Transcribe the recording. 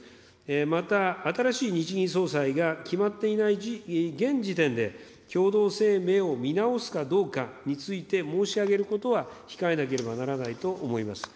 また、新しい日銀総裁が決まっていない現時点で、共同声明を見直すかどうかについて申し上げることは控えなければならないと思います。